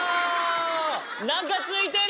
何かついてる！